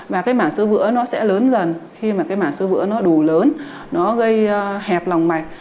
và cái mảng sơ vữa nó sẽ lớn dần khi mà cái mảng sơ vữa nó đủ lớn nó gây hẹp lòng mạch